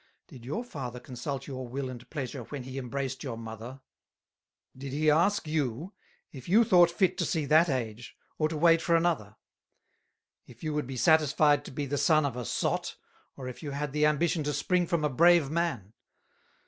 Did your Father consult your Will and Pleasure, when he Embraced your Mother? Did he ask you, if you thought fit to see that Age, or to wait for another; if you would be satisfied to be the Son of a Sot, or if you had the Ambition to spring from a Brave Man?